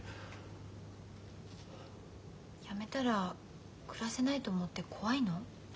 辞めたら暮らせないと思って怖いの？